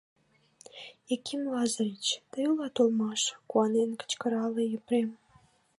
Яким Лазырыч, тый улат улмаш! — куанен кычкырале Епрем.